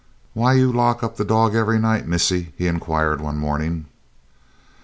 "Why you lock up the dog every night, missis?" he inquired one morning.